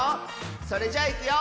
それじゃいくよ！